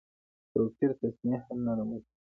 توپیر تصنع نه رامنځته کوي.